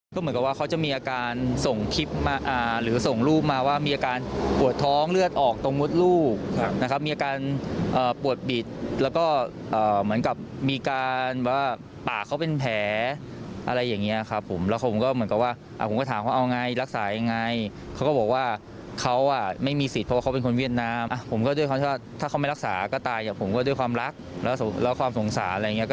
ก็เหมือนกับว่าเขาจะมีอาการส่งคลิปมาหรือส่งรูปมาว่ามีอาการปวดท้องเลือดออกตรงมดลูกนะครับมีอาการปวดบิดแล้วก็เหมือนกับมีการว่าปากเขาเป็นแผลอะไรอย่างนี้ครับผมแล้วผมก็เหมือนกับว่าผมก็ถามว่าเอาไงรักษายังไงเขาก็บอกว่าเขาอ่ะไม่มีสิทธิ์เพราะเขาเป็นคนเวียดนามผมก็ด้วยความชอบถ้าเขาไม่รัก